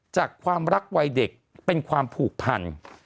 จากความรักวัยเด็กเป็นความผูกพัน